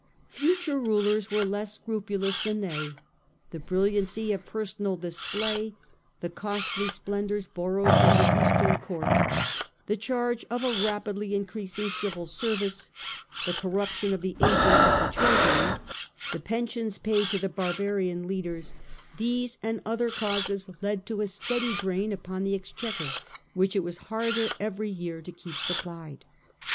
Future rulers were less scrupu lous than they. The brilliancy of personal display, the costly splendours borrowed from the Eastern courts, the charge of a rapidly increasing civil service, the corruption of the agents of the treasury, the pensions paid to the barbarian leaders — these and other causes led to a steady drain upon the exchequer which it was harder every year to keep supplied.